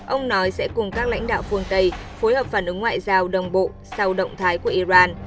ông nói sẽ cùng các lãnh đạo phương tây phối hợp phản ứng ngoại giao đồng bộ sau động thái của iran